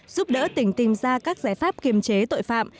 giúp đỡ tỉnh tìm ra các giải pháp kiềm chế tội phạm